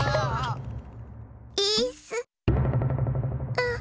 あっ！